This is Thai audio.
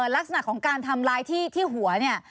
ลักษณะของการทำร้ายที่หัวเนี่ย